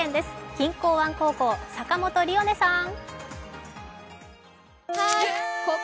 錦江湾高校、坂元凜音さん。